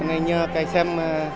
ngày nhớ cái xe máy